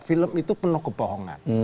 film itu penuh kebohongan